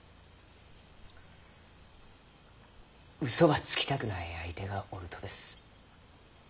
うそばつきたくない相手がおるとです。